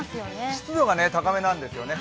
湿度が高めなんですよね。